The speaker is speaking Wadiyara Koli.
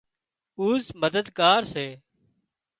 اُوزمددگار سي